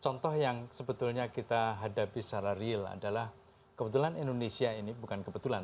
contoh yang sebetulnya kita hadapi secara real adalah kebetulan indonesia ini bukan kebetulan